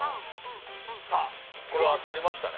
これ、当たりましたね。